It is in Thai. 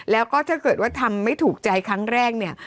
แล้วก็ถ้าเกิดว่าทำไม่ถูกใจครั้งแรกเนี่ย